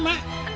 mak kenapa mak